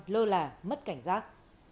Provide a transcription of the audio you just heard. lơ là mất cảnh giác